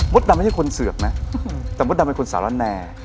ดำไม่ใช่คนเสือกนะแต่มดดำเป็นคนสารแน